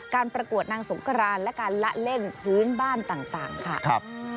ประกวดนางสงครานและการละเล่นพื้นบ้านต่างค่ะ